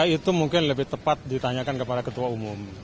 itu mungkin lebih tepat ditanyakan kepada ketua umum